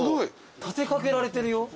立て掛けられてるよ。